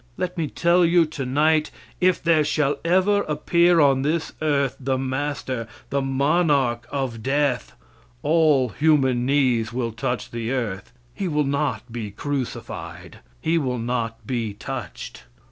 Let me tell you tonight if there shall ever appear on this earth the master, the monarch of death, all human knees will touch the earth; he will not be crucified, he will not be touched.